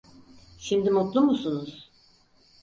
Şimdi mutlu musunuz?